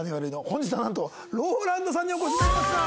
本日はなんとＲＯＬＡＮＤさんにお越しいただきました。